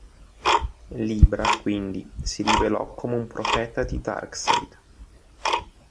Libra quindi si rivelò come un profeta di Darkseid.